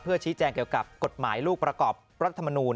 ชี้แจงเกี่ยวกับกฎหมายลูกประกอบรัฐมนูล